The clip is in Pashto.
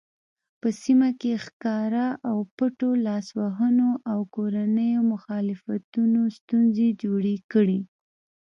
په سیمه کې ښکاره او پټو لاسوهنو او کورنیو مخالفتونو ستونزې جوړې کړې.